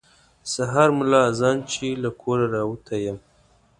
سهار ملا اذان چې له کوره راوتی یم.